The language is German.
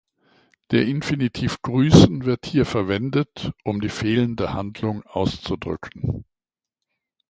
Der Infinitiv "grüßen" wird hier verwendet, um die fehlende Handlung auszudrücken.